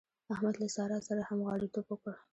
احمد له سارا سره همغاړيتوب وکړ.